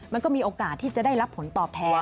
มันก็มีโอกาสที่จะได้รับผลตอบแทน